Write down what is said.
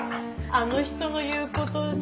あの人の言うことじゃ。